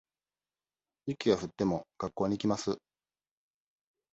雪が降っても、学校に行きます。